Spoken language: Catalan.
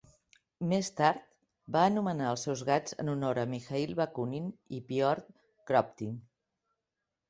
Més tard, va anomenar els seus gats en honor a Mikhail Bakunin i Piotr Kropotkin